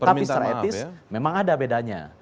tapi secara etis memang ada bedanya